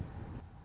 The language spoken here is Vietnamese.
những người dân